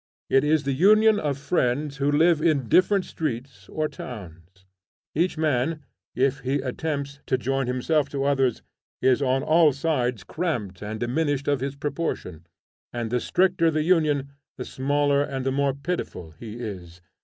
It is the union of friends who live in different streets or towns. Each man, if he attempts to join himself to others, is on all sides cramped and diminished of his proportion; and the stricter the union the smaller and the more pitiful he is.